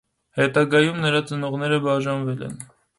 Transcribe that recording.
Հետագայում նրա ծնողները բաժանվել են։